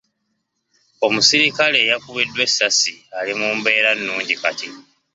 Omusirikale e yakubiddwa essasi ali mu mbeera nnungi kati.